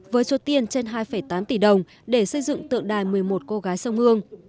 với số tiền trên hai tám tỷ đồng để xây dựng tượng đài một mươi một cô gái sông hương